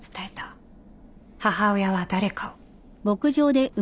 母親は誰かを。